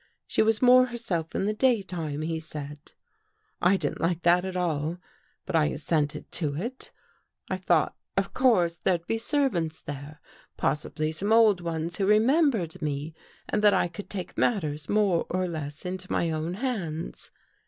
She was more herself in the daytime, he said. " I didn't like that at all, but I assented to it. I thought, of course, there'd be servants there, pos sibly some old ones who remembered me and that I could take matters more or less into my own hands.